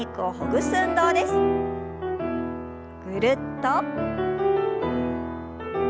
ぐるっと。